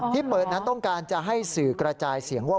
ที่เปิดนั้นต้องการจะให้สื่อกระจายเสียงว่า